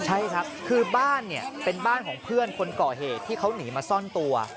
ใช่ครับคือบ้านเนี่ยเป็นบ้านของเพื่อนคนก่อเหตุที่เขาหนีมาซ่อนตัว